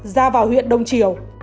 ra vào huyện đông triều